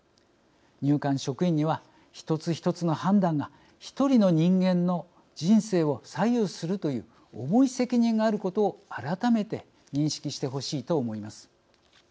入管職員には、一つ一つの判断が１人の人間の人生を左右するという重い責任があることを改めて認識してほしいと思います。